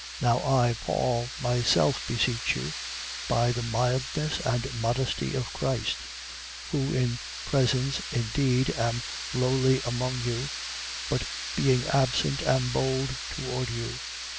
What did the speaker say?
10:1. Now I Paul, myself beseech you, by the mildness and modesty of Christ: who in presence indeed am lowly among you, but being absent am bold toward you.